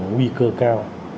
nguy cơ cao